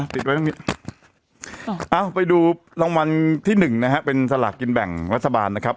ติดเอาไปดูรางวัลที่๑นะครับเป็นสลักกินแบ่งรัฐบาลนะครับ